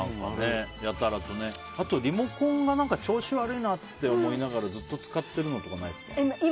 あとリモコン調子悪いなって思いながらずっと使ってるのとかないですか。